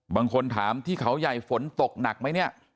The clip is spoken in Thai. บางคนถามที่เขาใหญ่ฝนตกหนักไหมเนี่ย